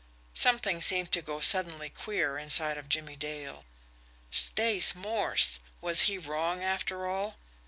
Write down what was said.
Something seemed to go suddenly queer inside of Jimmie Dale. Stace Morse! Was he wrong, after all?